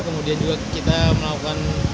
kemudian juga kita melakukan